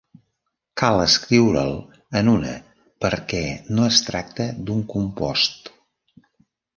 Cal escriure'l en una, perquè no es tracta d'un compost.